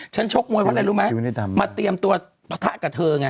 ฉันชกมวยพอแหละรู้ไหมมาเตรียมตัวปะทะกับเธอไง